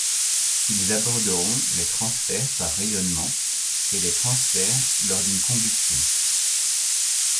Ils aborderont les transferts par rayonnement et les transferts lors d'une combustion.